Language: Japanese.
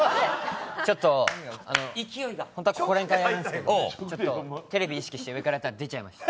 ちょっと本当はここら辺からやるんですけど、ちょっとテレビ意識して上からやったら出ちゃいました。